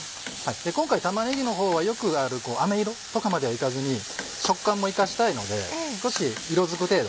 今回玉ねぎの方はよくあるアメ色とかまではいかずに食感も生かしたいので少し色づく程度。